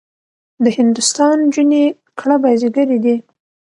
د هندوستان نجونې کړه بازيګرې دي.